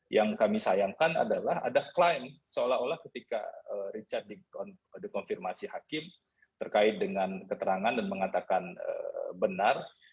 yang kami sayangkan adalah ada klaim seolah olah ketika richard dikonfirmasi hakim terkait dengan keterangan dan mengatakan benar